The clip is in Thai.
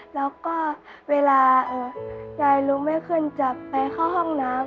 แล้วก็เวลายายลุกไม่ขึ้นจะไปเข้าห้องน้ำ